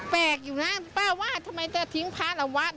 แปลกอยู่นะป้าว่าทำไมจะทิ้งพระละวัด